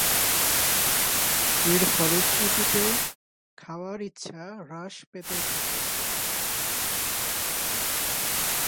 এর ফলশ্রুতিতে খাওয়ার ইচ্ছা হ্রাস পেতে থাকে।